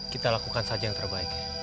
kita lakukan saja yang terbaik